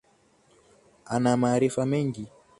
Ana maarifa mengi.